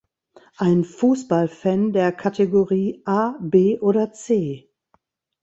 Ein "Fußballfan" der Kategorie A, B oder C?